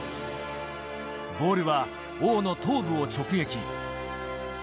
ボールは王の頭部を直撃。